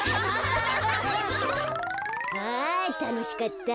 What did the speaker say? あたのしかった。